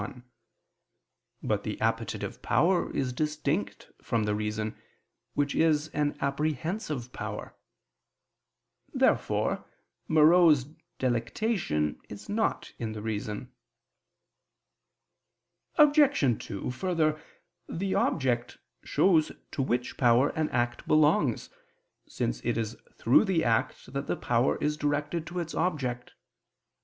But the appetitive power is distinct from the reason, which is an apprehensive power. Therefore morose delectation is not in the reason. Obj. 2: Further, the object shows to which power an act belongs, since it is through the act that the power is directed to its object.